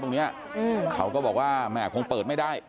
ตรงนี้เขาก็บอกว่าแม่คงเปิดไม่ได้